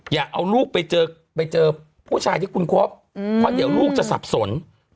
อย่าเอาลูกไปเจอผู้ชายที่คุณคบเพราะเดี๋ยวลูกจะสับสน